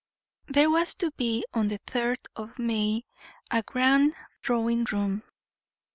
There was to be on the third of May a grand drawing room.